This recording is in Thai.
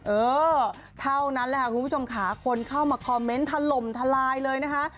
เออเท่านั้นแหละค่ะคุณผู้ชมค่ะคนเข้ามาคอมเมนต์ถล่มทลายเลยนะคะ